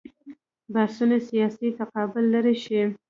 بحثونه سیاسي تقابل لرې شي.